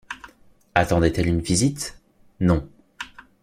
Attendait-elle une visite? non.